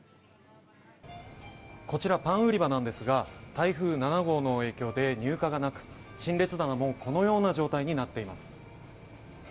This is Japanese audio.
こちらパン売り場なんですが台風７号の影響で入荷がなく陳列棚もこのような状態になっています。